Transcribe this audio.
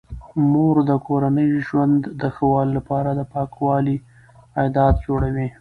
مور د کورني ژوند د ښه والي لپاره د پاکوالي عادات جوړوي.